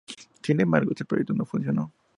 Sin embargo, este proyecto no funcionó.